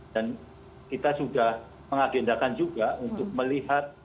dan kita sudah mengagendakan juga untuk melihat